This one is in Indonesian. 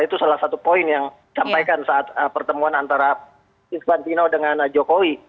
itu salah satu poin yang disampaikan saat pertemuan antara isbatino dengan jokowi